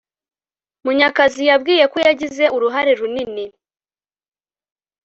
Munyakazi yabwiye ko yagize uruhare runini